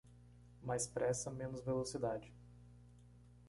Mais pressa menos velocidade